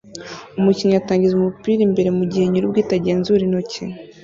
Umukinnyi atangiza umupira imbere mugihe nyirubwite agenzura intoki